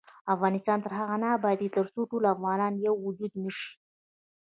افغانستان تر هغو نه ابادیږي، ترڅو ټول افغانان یو وجود نشي.